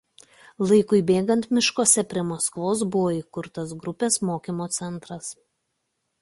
Laikui bėgant miškuose prie Maskvos buvo įkurtas grupės mokymo centras.